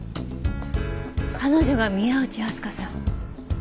彼女が宮内あすかさん。